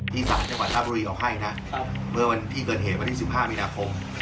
ที่สายจังหวัดรับบุรีออกให้นะครับเมื่อวันที่เกิดเหตุวันที่สิบห้ามีนาคมครับ